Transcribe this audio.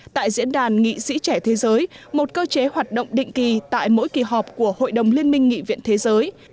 tại diễn đàn nghị sĩ trẻ thế giới một cơ chế hoạt động định kỳ tại mỗi kỳ họp của hội đồng liên minh nghị viện thế giới